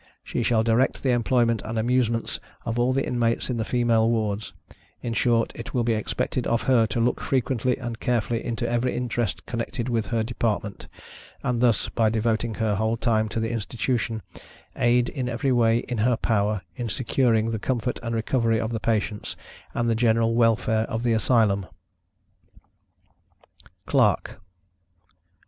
She shall direct the employment and amusements of all the inmates of the female wards; in short, it will be expected of her to look frequently and carefully into every interest connected with her department; and thus, by devoting her whole time to the Institution, aid in every way in her power, in securing the comfort and recovery of the patients, and the general welfare of the Asylum. CLERK.